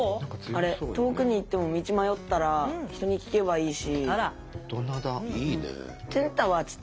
あれ遠くに行っても道迷ったら人に聞けばいいし。